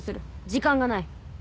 時間がない。